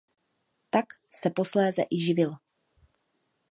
Tak se posléze i živil.